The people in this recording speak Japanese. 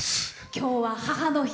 今日は、母の日。